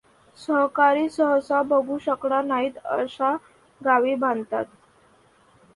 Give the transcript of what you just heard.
सहकारी सहसा बघू शकणार नाहीत अशा गावी बांधतात.